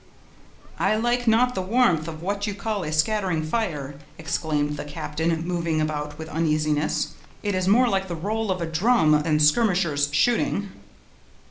"I like not the warmth of what you call a scattering fire," exclaimed the captain, moving about with uneasiness; "it is more like the roll of a drum than skirmishers' shooting."